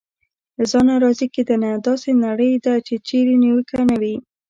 له ځانه راضي کېدنه: داسې نړۍ ده چېرې نیوکه نه وي.